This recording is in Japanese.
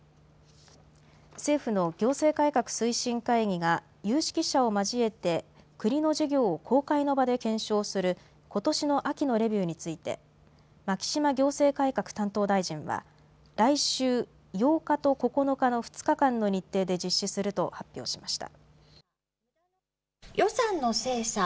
政府の行政改革推進会議が有識者を交えて国の事業を公開の場で検証することしの秋のレビューについて牧島行政改革担当大臣は来週８日と９日の２日間の日程で実施すると発表しました。